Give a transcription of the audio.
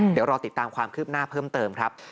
เดี๋ยวรอติดตามความคืบหน้าเพิ่มเติมครับ